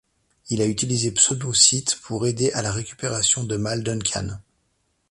Il a utilisé Pseudocytes pour aider à la récupération de Mal Duncan.